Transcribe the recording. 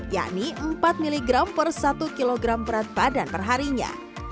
yakni empat miligram per satu kg berat badan perharinya